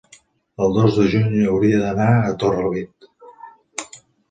el dos de juny hauria d'anar a Torrelavit.